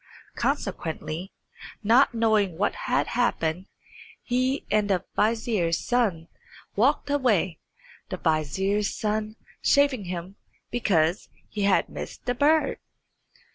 Consequently, not knowing what had happened, he and the vizier's son walked away, the vizier's son chaffing him because he had missed the bird.